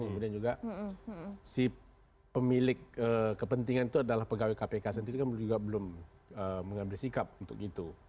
kemudian juga si pemilik kepentingan itu adalah pegawai kpk sendiri kan juga belum menyentuh